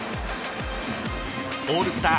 オールスター